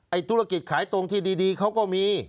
ธุรกิจขายตรงที่ดีเขาก็มี